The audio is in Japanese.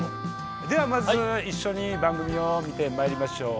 ではまず一緒に番組を見てまいりましょう。